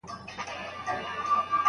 آیا صنعتي ښارونه تر کرنیزو ښارونو ککړ دي؟